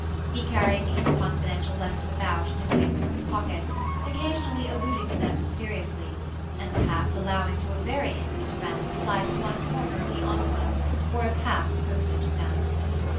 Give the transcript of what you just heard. He carried these confidential letters about in his waistcoat pocket, occasionally alluding to them mysteriously, and perhaps allowing to a very intimate friend the sight of one corner of the envelope, or of half the postage stamp.